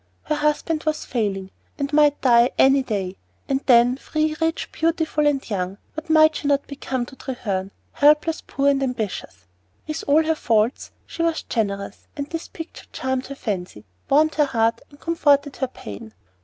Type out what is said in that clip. Her husband was failing, and might die any day. And then, free, rich, beautiful, and young, what might she not become to Treherne, helpless, poor, and ambitious? With all her faults, she was generous, and this picture charmed her fancy, warmed her heart, and comforted her pain.